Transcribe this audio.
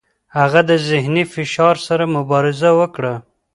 هغه د ذهني فشار سره مبارزه وکړه.